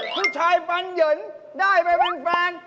ผู้ชายฟันเหยินได้ไปฟัน